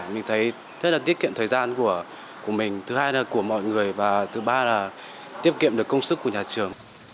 mình thấy rất là tiết kiệm thời gian của mình thứ hai là của mọi người và thứ ba là tiết kiệm được công sức của nhà trường